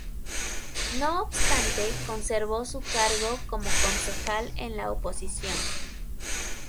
No obstante, conservó su cargo como concejal en la oposición.